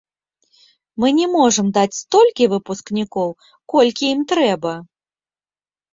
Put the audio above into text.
Мы не можам даць столькі выпускнікоў, колькі ім трэба.